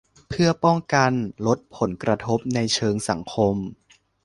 เพื่อป้องกันลดผลกระทบในเชิงสังคม